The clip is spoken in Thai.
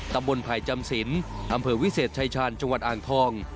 ตำบลไผ่จำสินอำเภอวิเศษชายชาญจังหวัดอ่างทอง